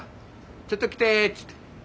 ちょっと来て」っつって。